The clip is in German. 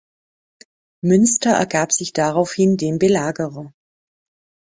Münster ergab sich daraufhin dem Belagerer.